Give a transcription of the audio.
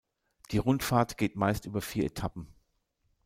Die Rundfahrt geht meist über vier Etappen.